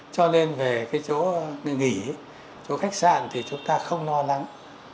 cho nên về chỗ nghỉ chỗ khách sạn thì chúng ta không no lắng